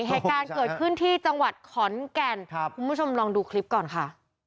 เหตุการณ์เกิดขึ้นที่จังหวัดขอนแก่นครับคุณผู้ชมลองดูคลิปก่อนค่ะ